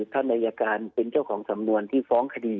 ท่านอายการเป็นเจ้าของสำนวนที่ฟ้องคดี